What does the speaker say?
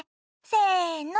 せの。